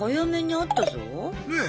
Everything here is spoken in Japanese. ねえ！